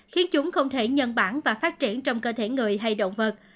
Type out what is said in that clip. khiến chúng không thể nhân bản và phát triển trong cơ thể người hay động vật